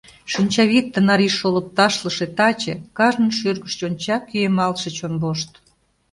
Шинчавӱд, тынар ий шолып ташлыше, таче Кажнын шӱргыш йонча кӱэмалтше чон вошт.